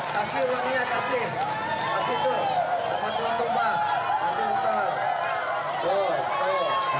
kasih uangnya kasih kasih tuh sama tuhan tuhan